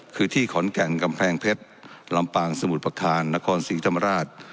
คือที่ขอนแก่นกำแพงเพชรลำปางสมุทรประการนครศรีธรรมราช